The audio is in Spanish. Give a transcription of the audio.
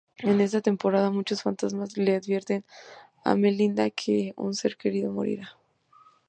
En esta temporada muchos fantasmas le advierten a Melinda que un ser querido morirá.